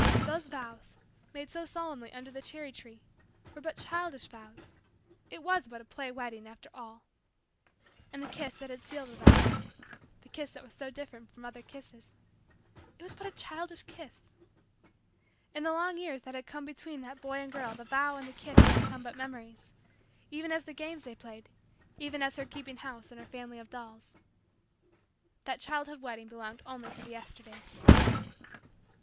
Those vows, made so solemnly under the cherry tree, were but childish vows. It was but a play wedding, after all. And the kiss that had sealed the vows the kiss that was so different from other kisses it was but a childish kiss ... In the long years that had come between that boy and girl the vows and the kiss had become but memories even as the games they played even as her keeping house and her family of dolls. That child wedding belonged only to the Yesterdays.